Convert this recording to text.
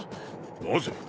なぜ？